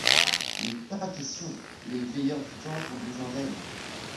Mais pas question, les Veilleurs du temps ont besoin d'elle.